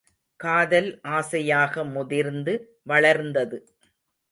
காதல் ஆசையாக முதிர்ந்து வளர்ந்தது.